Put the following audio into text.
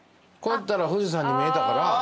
こうやったら富士山に見えたから。